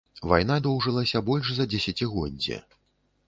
Вайна доўжылася больш за дзесяцігоддзе.